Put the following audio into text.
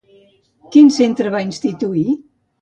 Quin centre va instituir?